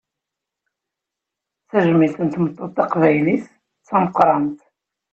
Tajmilt n tmeṭṭut taqbaylit, d tameqqrant.